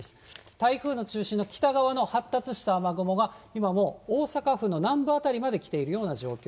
台風の中心の北側の発達した雨雲が、今も大阪府の南部辺りまで来ているような状況。